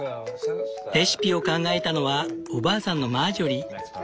レシピを考えたのはおばあさんのマージョリー。